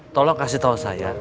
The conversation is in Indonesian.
tolong kasih tau saya